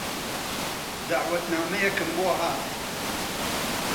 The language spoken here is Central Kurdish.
دەعوەتنامەیەکم بۆ هات کە: